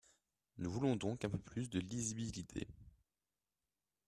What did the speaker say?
Nous voulions donc un peu plus de lisibilité.